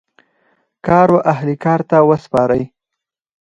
کار و اهل کار ته وسپارئ